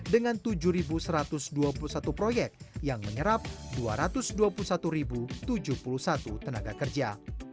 dengan tujuh satu ratus dua puluh satu proyek yang menyerap dua ratus dua puluh satu tujuh puluh satu tenaga kerja